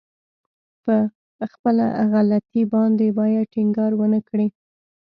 په خپله غلطي باندې بايد ټينګار ونه کړي.